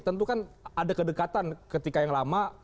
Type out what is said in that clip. tentu kan ada kedekatan ketika yang lama